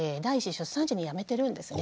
出産時に辞めてるんですね。